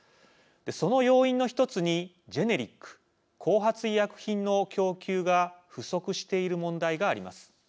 その要因の１つにジェネリック＝後発医薬品の供給が不足している問題があります。